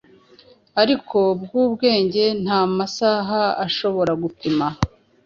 ariko bwubwenge ntamasaha ashobora gupima.